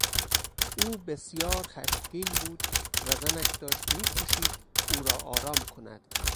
او بسیار خشمگین بود و زنش داشت میکوشید او را آرام کند.